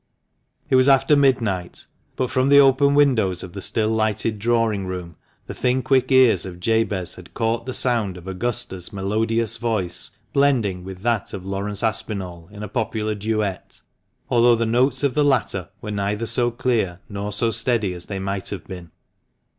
It was after midnight, but from the open windows of the still lighted drawing room the thin quick ears of Jabez had caught the sound of Augusta's melodious voice blending with that of Laurence Aspinall in a popular duet, although the notes of the latter were neither so clear nor so steady as they might have been.